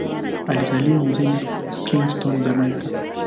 Alizaliwa mjini Kingston, Jamaika.